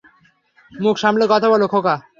মুখ সামলে কথা বল, খোকা।